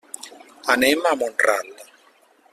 Anem a Mont-ral.